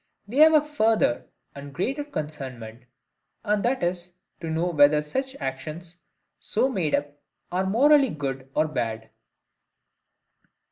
We have a further and greater concernment, and that is, to know whether such actions, so made up, are morally good or bad.